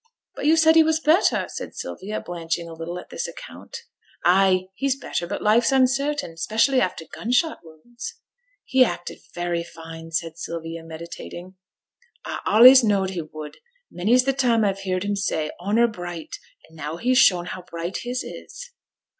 'But you said he was better,' said Sylvia, blanching a little at this account. 'Ay, he's better, but life's uncertain, special after gun shot wounds.' 'He acted very fine,' said Sylvia, meditating. 'A allays knowed he would. Many's the time a've heerd him say "honour bright," and now he's shown how bright his is.'